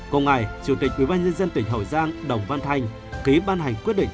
cùng ngày chủ tịch ubnd tỉnh hậu giang đồng văn thanh ký ban hành quyết định